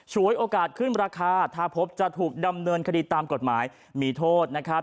วยโอกาสขึ้นราคาถ้าพบจะถูกดำเนินคดีตามกฎหมายมีโทษนะครับ